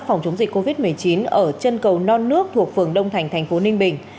phòng chống dịch covid một mươi chín ở chân cầu non nước thuộc phường đông thành tp ninh bình